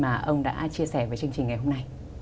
mà ông đã chia sẻ với chương trình ngày hôm nay